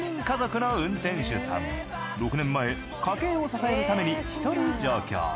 ６年前家計を支えるために１人上京。